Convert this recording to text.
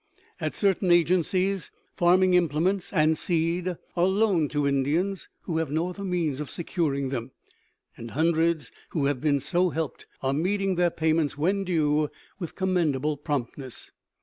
At certain agencies farming implements and seed are loaned to Indians who have no other means of securing them, and hundreds who have been so helped are meeting their payments when due with commendable promptness.